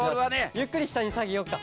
ゆっくりしたにさげようか。